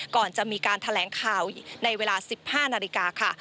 ก่อนจะมีการแถลงข่าวในเวลา๑๕นาฬิกาค่ะ